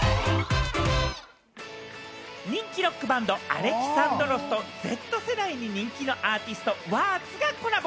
人気ロックバンド［Ａｌｅｘａｎｄｒｏｓ］とＺ世代に人気のアーティスト・ＷｕｒｔＳがコラボ。